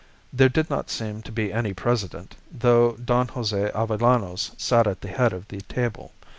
There did not seem to be any president, though Don Jose Avellanos sat at the head of the table.